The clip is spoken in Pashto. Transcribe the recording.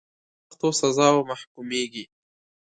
په سختو سزاوو محکومیږي.